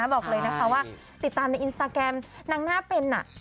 บอกเลยนะคะว่าติดตามในอินสตาแกรมนางหน้าเป็น